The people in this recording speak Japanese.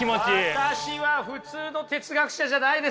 私は普通の哲学者じゃないですよ！